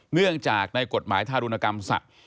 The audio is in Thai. เนื่องจากในกฎหมายทารุณกรรมสัตว์